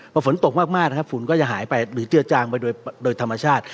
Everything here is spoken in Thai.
พอฝนตกมากนะครับฝุ่นก็จะหายไปหรือเจือจางไปโดยธรรมชาติ